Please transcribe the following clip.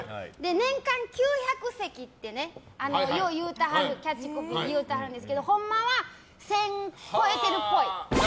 年間９００席ってキャッチコピーでよう言うてはるんですけどほんまは１０００超えてるっぽい。